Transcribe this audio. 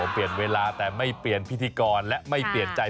เปลี่ยนเวลาแต่ไม่เปลี่ยนพิธีกรและไม่เปลี่ยนใจ